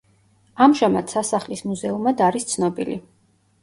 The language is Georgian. ამჟამად სასახლის მუზეუმად არის ცნობილი.